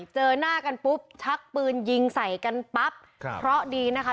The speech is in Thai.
เจอหน้ากันปุ๊บชักปืนยิงใส่กันปั๊บครับเพราะดีนะคะ